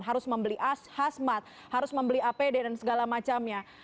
harus membeli hasmat harus membeli apd dan segala macamnya